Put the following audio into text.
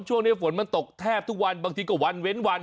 ช่วงนี้ฝนมันตกแทบทุกวันบางทีก็วันเว้นวัน